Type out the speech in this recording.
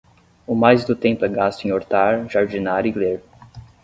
O mais do tempo é gasto em hortar, jardinar e ler